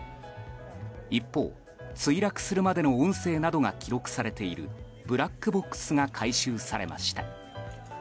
一方、墜落するまでの音声などが記録されているブラックボックスが回収されました。